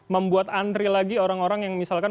membuat antri lagi orang orang yang misalkan